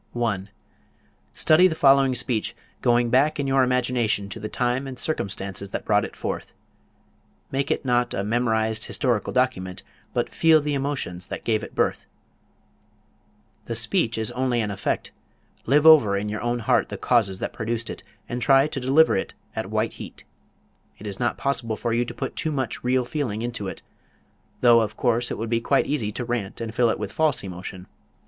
1. Study the following speech, going back in your imagination to the time and circumstances that brought it forth. Make it not a memorized historical document, but feel the emotions that gave it birth. The speech is only an effect; live over in your own heart the causes that produced it and try to deliver it at white heat. It is not possible for you to put too much real feeling into it, though of course it would be quite easy to rant and fill it with false emotion.